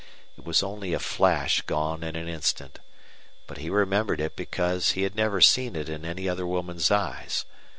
It was only a flash gone in an instant. But he remembered it because he had never seen it in any other woman's eyes.